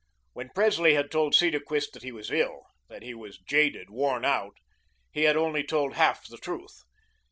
When Presley had told Cedarquist that he was ill, that he was jaded, worn out, he had only told half the truth.